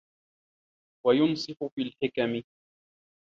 وَيُنْصِفَ فِي الْحِكَمِ